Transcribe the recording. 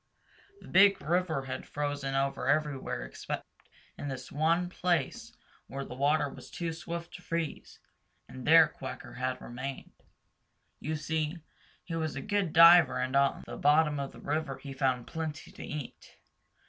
The Big River had frozen over everywhere except in this one place where the water was too swift to freeze, and there Quacker had remained. You see, he was a good diver and on the bottom of the river he found plenty to eat.